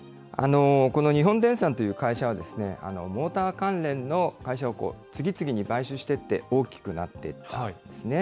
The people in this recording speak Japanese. この日本電産という会社はですね、モーター関連の会社を次々に買収していって、大きくなっていったんですね。